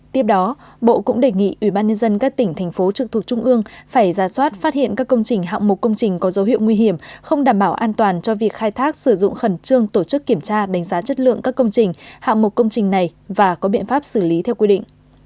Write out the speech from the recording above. tiếp đó bộ cũng đề nghị ubnd các tỉnh thành phố trực thuộc trung ương phải ra soát phát hiện các công trình hạng mục công trình có dấu hiệu nguy hiểm không đảm bảo an toàn cho việc khai thác sử dụng khẩn trương tổ chức kiểm tra đánh giá chất lượng các công trình hạng mục công trình này và có biện pháp xử lý theo quy định